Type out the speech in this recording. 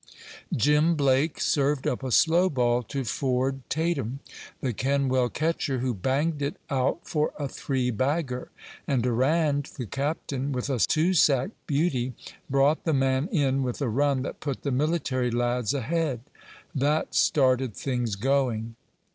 Jim Blake served up a slow ball to Ford Tatum, the Kenwell catcher, who banged it out for a three bagger. And Durand, the captain, with a two sack beauty, brought the man in with a run that put the military lads ahead. That started things going.